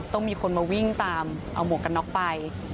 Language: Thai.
ต้องมีคนมาวิ่งตามเอาหมวกกันน็อกไป